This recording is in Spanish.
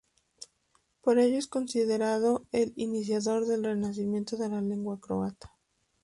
Por ello es considerado el iniciador del renacimiento de la lengua croata.